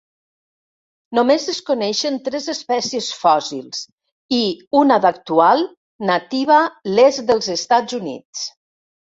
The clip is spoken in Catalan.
Només es coneixen tres espècies fòssils, i una d'actual, nativa l'est dels Estats Units.